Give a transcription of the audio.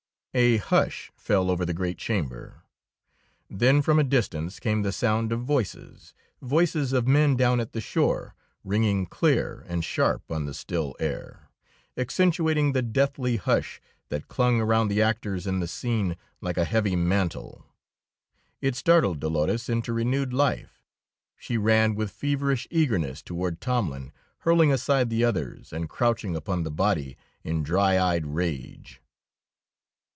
A hush fell over the great chamber. Then from a distance came the sound of voices, voices of men down at the shore, ringing clear and sharp on the still air, accentuating the deathly hush that clung around the actors in the scene like a heavy mantle. It startled Dolores into renewed life. She ran with feverish eagerness toward Tomlin, hurling aside the others, and crouching upon the body in dry eyed rage.